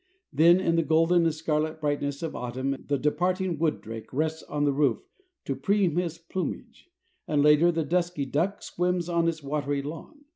Then in the golden and scarlet brightness of autumn the departing wood drake rests on the roof to preen his plumage, and later the dusky duck swims on its watery lawn.